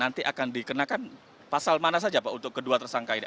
nanti akan dikenakan pasal mana saja pak untuk kedua tersangka ini